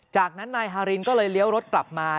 จากนั้นนายฮารินก็เลยเลี้ยวรถกลับมา